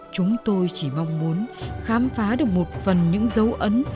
chúng tôi chỉ mong muốn khám phá được một phần những dấu ấn